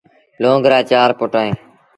لونگ رآ چآر پُٽ اهيݩ۔